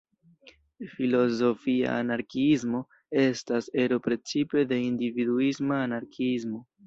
Filozofia anarkiismo "estas ero precipe de individuisma anarkiismo.